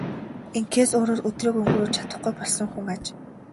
Ингэхээс өөрөөр өдрийг өнгөрөөж чадахгүй болсон хүн аж.